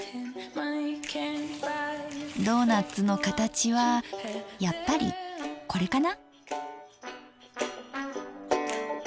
ドーナッツの形はやっぱりこれかな？